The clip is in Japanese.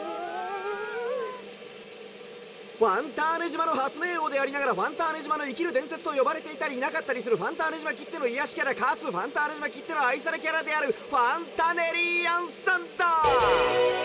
「ファンターネ島の発明王でありながらファンターネ島の生きる伝説と呼ばれていたりいなかったりするファンターネ島きっての癒やしキャラかつファンターネ島きっての愛されキャラであるファンタネリアンさんだ！」。